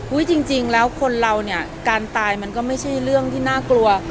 จริงแล้วคนเราเนี่ยการตายมันก็ไม่ใช่เรื่องที่น่ากลัว